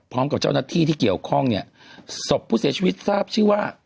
พร้อมกับเจ้าหน้าที่ที่เกี่ยวข้องเนี่ยศพผู้เสียชีวิตทราบชื่อว่า